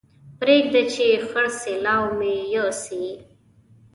پرېږده چې خړ سېلاو مې يوسي